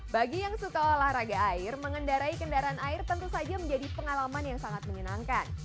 bagi yang suka olahraga air mengendarai kendaraan air tentu saja menjadi pengalaman yang sangat menyenangkan